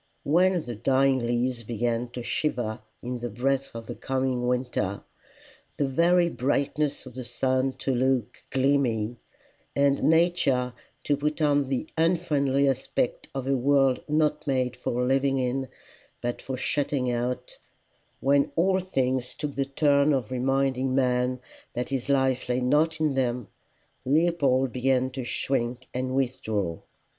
When the dying leaves began to shiver in the breath of the coming winter, the very brightness of the sun to look gleamy, and nature to put on the unfriendly aspect of a world not made for living in but for shutting out when all things took the turn of reminding man that his life lay not in them, Leopold began to shrink and withdraw.